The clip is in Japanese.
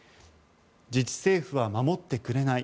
自治政府は守ってくれない。